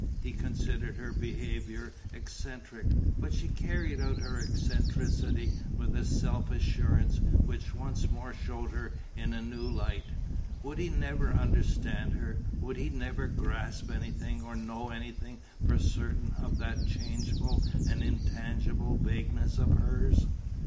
He considered her behaviour eccentric; but she carried out her eccentricity with a self assurance which once more showed her in a new light. Would he never understand her, would he never grasp anything or know anything for certain of that changeful and intangible vagueness of hers?